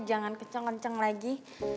jangan kenceng kenceng lagi